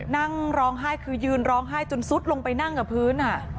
นั่งร้องไห้คือยืนร้องไห้จนซุดลงไปนั่งกับพื้น